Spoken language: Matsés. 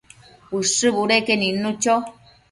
Ushë budeque nidnu cho